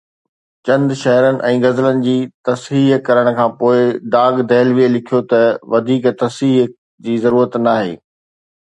چند شعرن ۽ غزلن جي تصحيح ڪرڻ کان پوءِ داغ دهلويءَ لکيو ته وڌيڪ تصحيح جي ضرورت ناهي.